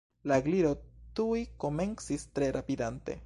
La Gliro tuj komencis, tre rapidante.